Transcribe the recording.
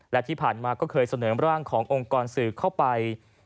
และที่ผ่านมาก็เคยเสนอร่างขององค์กรสื่อเข้าไป